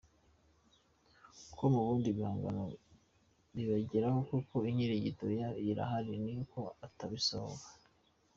com, ubundi ibihangano bibagereho kuko Inkirigito yo irahari ni uko itarasohoka.